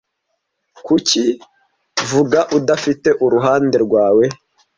kuki vuga udafite uruhande rwawe